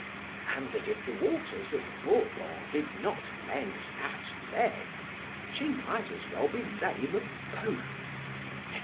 and that if the waters of Bourbon did not mend that leg—she might as well be lame of both—&c.